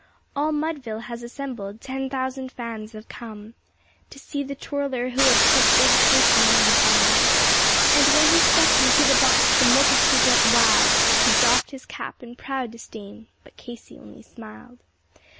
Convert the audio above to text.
All Mudville has assembled; ten thousand fans had come To see the twirler who had put big Casey on the bum; And when he stepped into the box the multitude went wild. He doffed his cap in proud disdain but Casey only smiled.